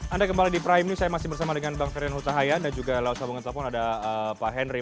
anda kembali di prime news saya masih bersama dengan bang ferdinand hurtahayan dan juga kalau usah bawa telepon ada pak henry